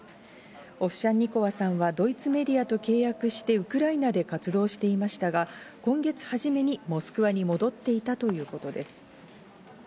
オフシャンニコワさんはドイツメディアと契約してウクライナで活動していましたが、今月初めにモスクワに戻っていたということです。